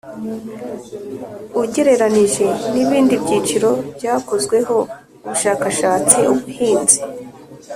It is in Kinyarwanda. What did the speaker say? Ugereranije n ibindi byiciro byakozweho ubushakashatsi ubuhinzi